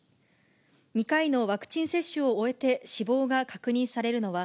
２回のワクチン接種を終えて死亡が確認されるのは、